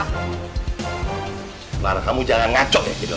karena kamu jangan ngacok ya gitu